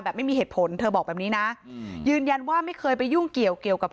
ไม่มีเหตุผลเธอบอกแบบนี้นะยืนยันว่าไม่เคยไปยุ่งเกี่ยวเกี่ยวกับ